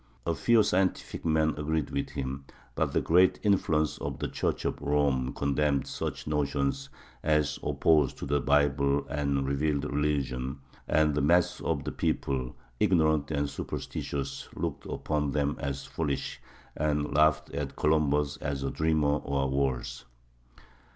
A few scientific men agreed with him, but the great influence of the Church of Rome condemned such notions as opposed to the Bible and revealed religion; and the mass of the people, ignorant and superstitious, looked upon them as foolish, and laughed at Columbus as a dreamer or worse.